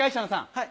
はい。